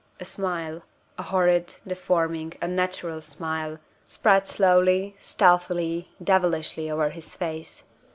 A smile a horrid, deforming, unnatural smile spread slowly, stealthily, devilishly over his face.